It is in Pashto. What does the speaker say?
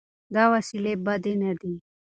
دا وسیلې بدې نه دي.